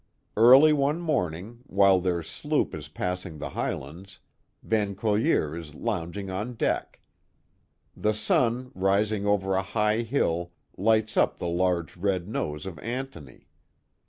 Early one morning, while their sloop is passing the highlands, V.in Corlear is lounging on deck. The sun, rising over a high hill, lights up the large red nose of Antony.